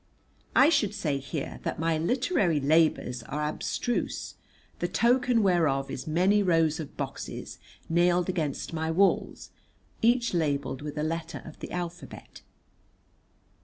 I should say here that my literary labours are abstruse, the token whereof is many rows of boxes nailed against my walls, each labelled with a letter of the alphabet.